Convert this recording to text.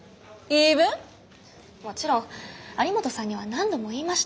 もちろん有本さんには何度も言いました。